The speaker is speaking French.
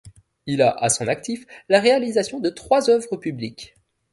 Il a à son actif la réalisation de trois œuvres publiques.